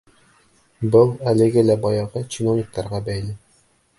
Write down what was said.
Был әлеге лә баяғы чиновниктарға бәйле.